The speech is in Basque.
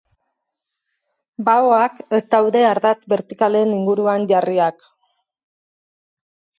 Baoak ez daude ardatz bertikalen inguruan jarriak.